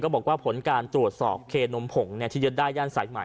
บอกว่าผลการตรวจสอบเคนมผงที่ยึดได้ย่านสายใหม่